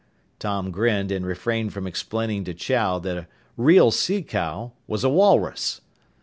Tom grinned and refrained from explaining to Chow that a real "sea cow" was a walrus.